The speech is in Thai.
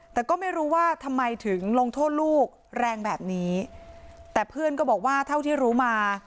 แต่ก็ไม่รู้ว่าทำไมถึงลงโทษลูกแรงแบบนี้แต่เพื่อนก็บอกว่าเท่าที่รู้มา